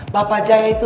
bapak jahe ini